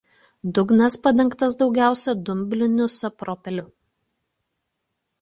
Dugnas padengtas daugiausia dumblingu sapropeliu.